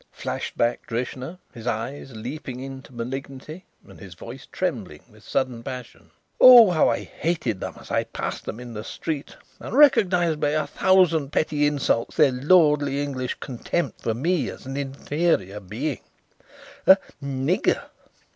flashed back Drishna, his eyes leaping into malignity and his voice trembling with sudden passion. "Oh! how I hated them as I passed them in the street and recognized by a thousand petty insults their lordly English contempt for me as an inferior being a nigger.